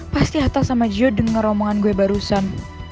pasti hata sama gio denger omongan gue barusan